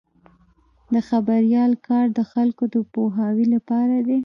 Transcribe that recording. د خبریال کار د خلکو د پوهاوي لپاره دی.